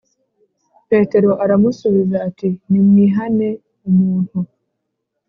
Petero arabasubiza ati Nimwihane umuntu